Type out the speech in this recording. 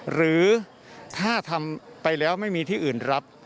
หรือถ้าทำไปแล้วไม่มีที่อื่นรับ